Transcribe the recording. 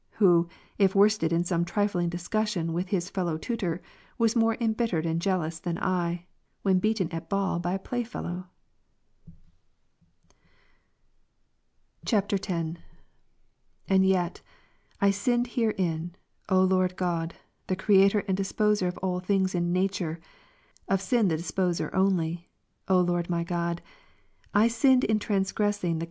who, if worsted in some trifling discussion with his fellow tutor, was more embittered and jealous than I, when beaten at ball by a play fellow ? [X.] 16. And yet, I sinned herein, O Lord God, the Creator and Orderer ^ of all things in nature, of sin the Orderer only, »" Many cry in trouble and are not nificd sin."